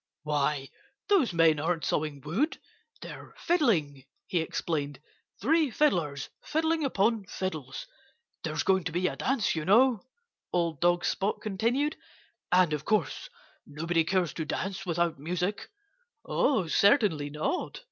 "Why, those men aren't sawing wood. They're fiddling," he explained; "three fiddlers fiddling upon fiddles.... There's going to be a dance, you know," old dog Spot continued. "And of course nobody cares to dance without music." "Oh, certainly not!"